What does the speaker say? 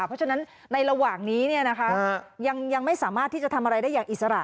เพราะฉะนั้นในระหว่างนี้ยังไม่สามารถที่จะทำอะไรได้อย่างอิสระ